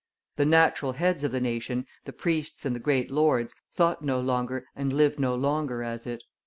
The natural heads of the nation, the priests and the great lords, thought no longer and lived no longer as it.